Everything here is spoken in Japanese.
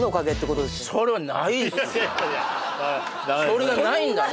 それがないんだな